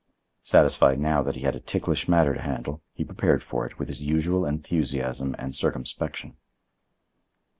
Satisfied now that he had a ticklish matter to handle, he prepared for it, with his usual enthusiasm and circumspection.